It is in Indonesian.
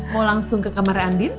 mau langsung ke kamar andin